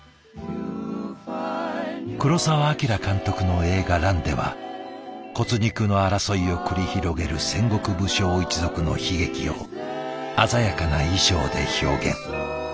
黒澤明監督の映画「乱」では骨肉の争いを繰り広げる戦国武将一族の悲劇を鮮やかな衣装で表現。